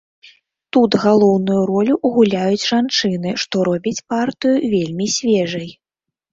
Тут галоўную ролю гуляюць жанчыны, што робіць партыю вельмі свежай.